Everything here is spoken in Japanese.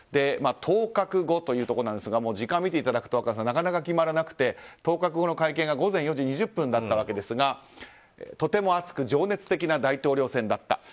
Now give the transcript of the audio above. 当確後というところですが時間を見ると分かりますがなかなか決まらなくて当確後の会見が午前４時２０分だったわけですがとても熱く情熱的な大統領選だった。